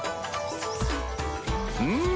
うん！